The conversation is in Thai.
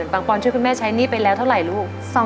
ปอนช่วยคุณแม่ใช้หนี้ไปแล้วเท่าไหร่ลูก